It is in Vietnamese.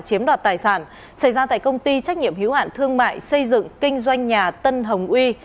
chiếm đoạt tài sản xảy ra tại công ty trách nhiệm hiếu hạn thương mại xây dựng kinh doanh nhà tân hồng uy